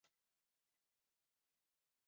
长期在杨宝森剧团做副生。